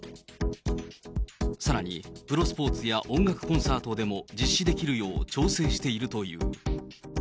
さらに、プロスポーツや音楽コンサートでも実施できるよう調整しているという。